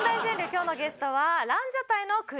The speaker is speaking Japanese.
今日のゲストはランジャタイの国崎さんです。